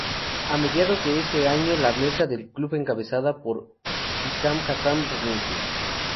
A mediados de ese año la mesa del club encabezada por Hisham Hassan renuncia.